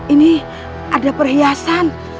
ini ada perhiasan